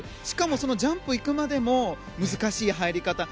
しかもそのジャンプ行くまでも難しい入り方。